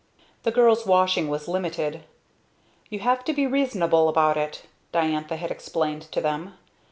The girls' washing was limited. "You have to be reasonable about it," Diantha had explained to them.